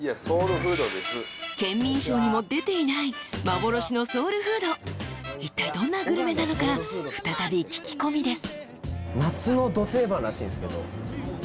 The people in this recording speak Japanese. ［『ケンミンＳＨＯＷ』にも出ていない幻のソウルフードいったいどんなグルメなのか再び聞き込みです］